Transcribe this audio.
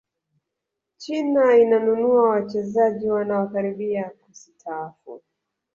china inanununua wachezaji wanaokaribia kusitaafu